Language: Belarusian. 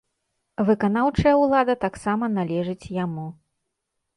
Выканаўчая ўлада таксама належыць яму.